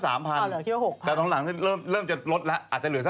อาจจะเหลือสัก๑๒๐ลบของพี่ม่าแล้วเริ่มห่วงเค้ากันไปเยอะ